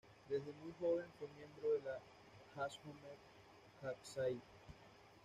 Desde muy joven fue miembro de la "Hashomer Hatzair".